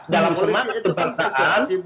dalam semangat kebangsaan